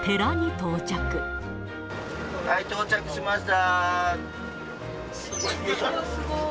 到着しました。